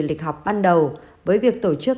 lịch học ban đầu với việc tổ chức